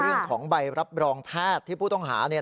เรื่องของใบรับรองแพทย์ที่ผู้ต้องหาเนี่ย